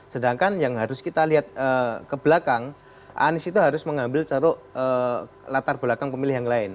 sedangkan yang harus kita lihat ke belakang anies itu harus mengambil ceruk latar belakang pemilih yang lain